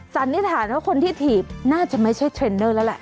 สันนิษฐานว่าคนที่ถีบน่าจะไม่ใช่เทรนเนอร์แล้วแหละ